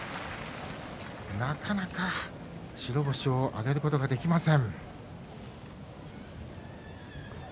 なかなか白星を挙げることができません。